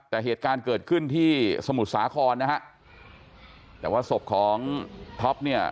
แต่เหตุการณ์เกิดขึ้นที่สมุทรสาครนะฮะแต่ว่าศพของท็อปเนี่ย